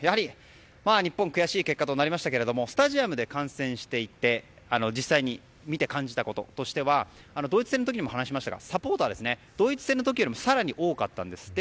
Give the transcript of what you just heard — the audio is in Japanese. やはり日本は悔しい結果となりましたがスタジアムで観戦していて実際に見て感じたこととしてはドイツ戦の時にも話しましたがサポーターがドイツ戦の時より多かったんですって。